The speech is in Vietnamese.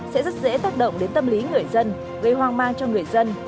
sẽ rất dễ tác động đến tâm lý người dân gây hoang mang cho người dân